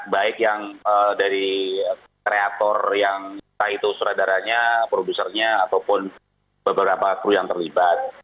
baik yang dari kreator yang saya itu suradaranya produsernya ataupun beberapa crew yang terlibat